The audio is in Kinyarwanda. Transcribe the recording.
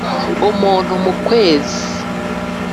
umuntu mu kwezi